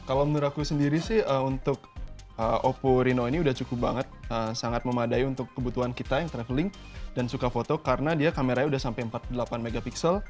kalau menurut aku sendiri sih untuk oppo reno ini udah cukup banget sangat memadai untuk kebutuhan kita yang traveling dan suka foto karena dia kameranya udah sampai empat puluh delapan mp